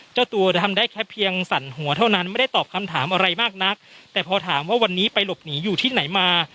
เจ้าตัวทำได้แค่เพียงสั่นหัวเท่านั้นไม่ได้ตอบคำถามอะไรมากนักแต่พอถามว่าวันนี้ไปหลบหนีอยู่ที่ไหนมา